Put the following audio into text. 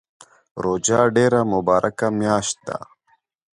روژه ډیره مبارکه میاشت ده